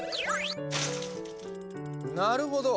なるほど！